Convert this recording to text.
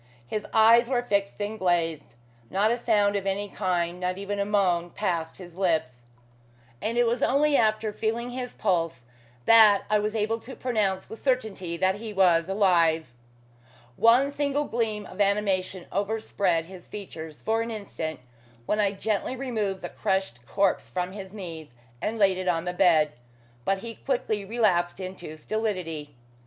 His eyes were fixed and glazed. Not a sound of any kind, not even a moan, passed his lips; and it was only after feeling his pulse that I was able to pronounce with certainty that he was alive. One single gleam of animation overspread his features for an instant when I gently removed the crushed corpse from his knees, and laid it on the bed, but he quickly relapsed into stolidity.